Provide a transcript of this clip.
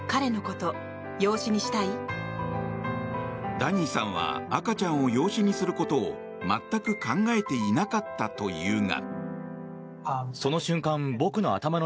ダニーさんは赤ちゃんを養子にすることを全く考えていなかったというが。